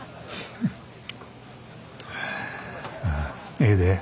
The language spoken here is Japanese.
ええで。